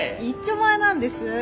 いっちょまえなんです。